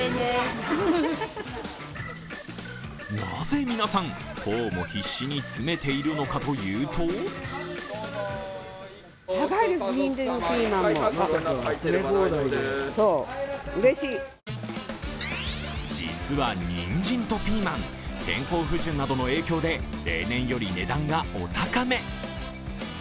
なぜ皆さん、こうも必死に詰めているのかというと実はにんじんとピーマン、天候不順などの影響で例年より値段がお高め。